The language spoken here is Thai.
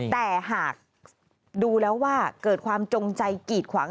แต่หากดูแล้วว่าเกิดความจงใจกีดขวาง